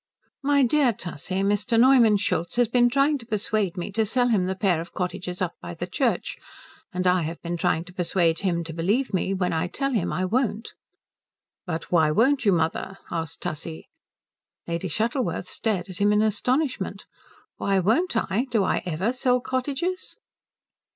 "My dear Tussie, Mr. Neumann Schultz has been trying to persuade me to sell him the pair of cottages up by the church, and I have been trying to persuade him to believe me when I tell him I won't." "But why won't you, mother?" asked Tussie. Lady Shuttleworth stared at him in astonishment. "Why won't I? Do I ever sell cottages?"